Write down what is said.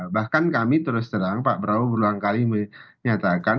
bahkan kami terus terang pak prabowo berulang kali menyatakan